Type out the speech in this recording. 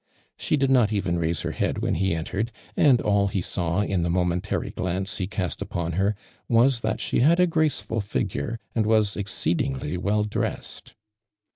She did not even raise her head when he entered, and all he saw in the momentary glarice he cast upon her, was tliatshe'had a graceful figure, and was exceedingly well dressed.